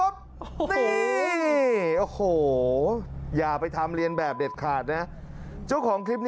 ใครอย่องค์ของคลิป